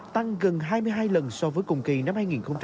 tăng gần hai mươi hai lần so với cùng kỳ năm hai nghìn hai mươi một